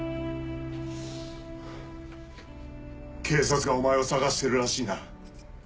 警察がお前を捜してるらしいな。